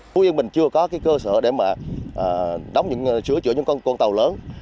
phú yên mình chưa có cơ sở để đóng sửa chữa những con tàu lớn